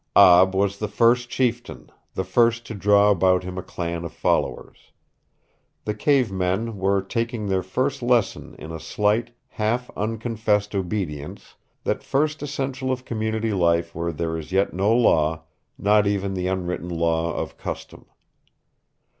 Ab was the first chieftain, the first to draw about him a clan of followers. The cave men were taking their first lesson in a slight, half unconfessed obedience, that first essential of community life where there is yet no law, not even the unwritten law of custom.